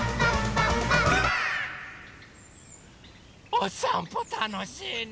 おさんぽたのしいね。